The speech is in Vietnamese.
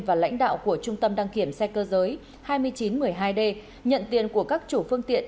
và lãnh đạo của trung tâm đăng kiểm xe cơ giới hai nghìn chín trăm một mươi hai d nhận tiền của các chủ phương tiện